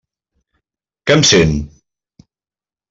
Que em sent?